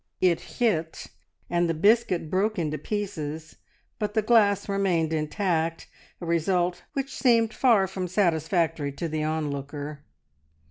It hit, and the biscuit broke into pieces, but the glass remained intact, a result which seemed far from satisfactory to the onlooker.